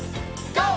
ＧＯ！